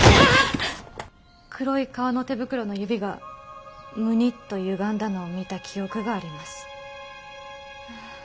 黒い革の手袋の指がムニッとゆがんだのを見た記憶があります。